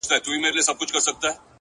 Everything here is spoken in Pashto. پرمختګ د دوامداره عمل حاصل دی!